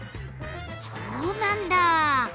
そうなんだ！